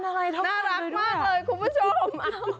น่ารักมากเลยคุณผู้ชม